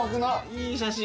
いい写真。